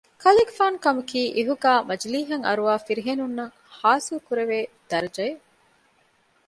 ކަލޭގެފާނު ކަމަކީ އިހުގައި މަޖިލީހަށް އަރުވާ ފިރިހެނުންނަށް ޙާޞިލްކުރެވޭ ދަރަޖައެއް